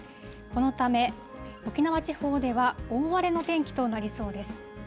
このため、沖縄地方では大荒れの天気となりそうです。